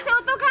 masih utuh kan